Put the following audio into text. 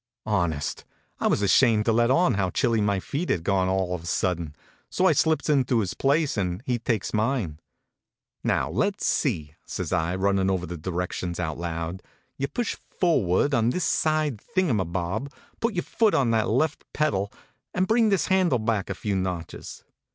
" Honest, I was ashamed to let on how chilly my feet had gone all of a sudden; so I slips into his place and he takes mine. " Now let s see," says I, runnin over the directions out loud. * You push forward on this side thingumbob, put your foot on that left pedal, and bring this handle back a few notches."